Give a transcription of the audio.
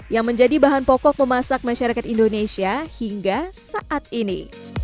yang menjadi bahan pokok memasak masyarakat indonesia hingga saat ini